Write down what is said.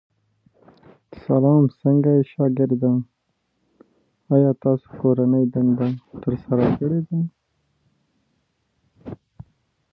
ښوونکی باید ماشوم ته توضیح ورکړي.